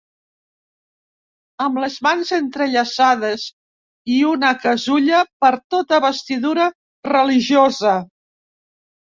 Amb les mans entrellaçades i una casulla per tota vestidura religiosa.